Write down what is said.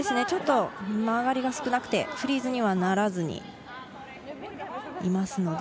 ちょっと曲がりが少なくてフリーズにはならずにいます。